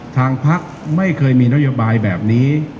ทางพักไม่เคยมีนโยบายแบบนี้